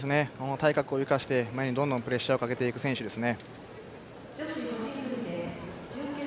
体格を生かして前にプレッシャーをかけていく選手ですね。